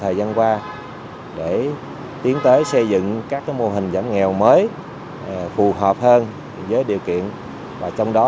thời gian qua để tiến tới xây dựng các mô hình giảm nghèo mới phù hợp hơn với điều kiện và trong đó